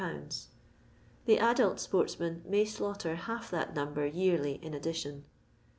The adult sportsmen may skwghter half that number yearly in addition.